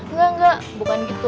enggak enggak bukan gitu